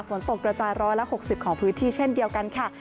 ฝนตกกระจาย๑๖๐ของพื้นที่เช่นเดียวกันค่ะ